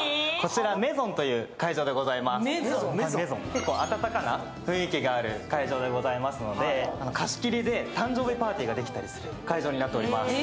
結構温かな雰囲気がある会場でございますので、貸し切りで、誕生日パーティーができたりする会場になっています。